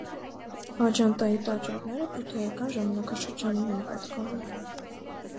Աջանտայի տաճարները բուդդայական ժամանակաշրջանին են պատկանում։